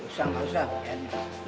usah usah biar nih